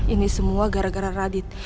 ini semua gara gara radit